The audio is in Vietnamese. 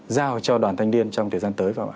giao cho đoàn thanh niên trong thời gian tới